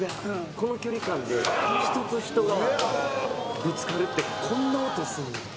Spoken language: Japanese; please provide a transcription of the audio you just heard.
この距離感で、人と人がぶつかるって、こんな音するんや。